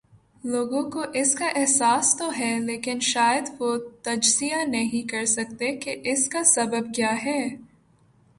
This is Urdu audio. لوگوں کواس کا احساس تو ہے لیکن شاید وہ تجزیہ نہیں کر سکتے کہ اس کا سبب کیا ہے۔